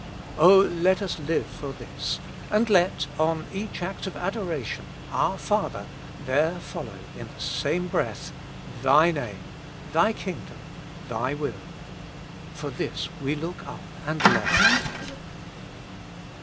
O let us live for this, and let, on each act of adoration. Our Father ! there follow in the same breath, T/iy Name, T/iy Kingdom, T/iy Will ;— for this we look up and long.